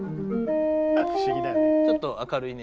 不思議だよね。